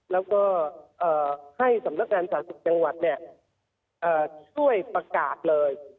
แล้วก็ให้สำนักงานสาธิตจังหวัดเนี่ยช่วยประกาศเลย